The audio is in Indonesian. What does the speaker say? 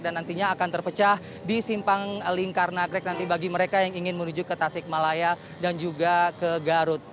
dan nantinya akan terpecah di simpang lingkar nagrek nanti bagi mereka yang ingin menuju ke tasik malaya dan juga ke garut